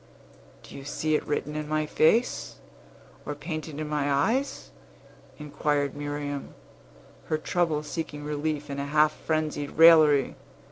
"Do you see it written in my face, or painted in my eyes?" inquired Miriam, her trouble seeking relief in a half frenzied raillery.